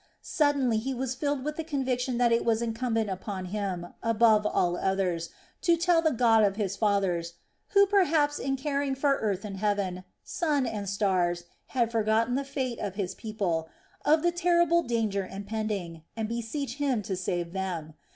Suddenly he was filled with the conviction that it was incumbent upon him, above all others, to tell the God of his fathers, who perhaps in caring for earth and heaven, sun and stars, had forgotten the fate of His people of the terrible danger impending, and beseech Him to save them.